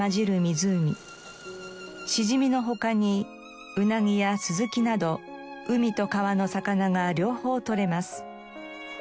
シジミの他にウナギやスズキなど海と川の魚が両方取れます。